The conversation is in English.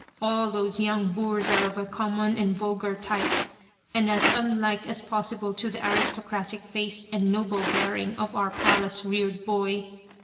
All those young boors are of a common and vulgar type, and as unlike as possible to the aristocratic face and noble bearing of our palace reared boy.